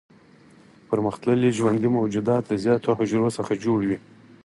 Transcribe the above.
پرمختللي ژوندي موجودات د زیاتو حجرو څخه جوړ وي.